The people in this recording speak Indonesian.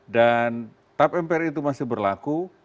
dan tap mpr itu masih berlaku